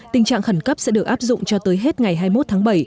tình trạng khẩn cấp sẽ được áp dụng cho tới hết ngày hai mươi một tháng bảy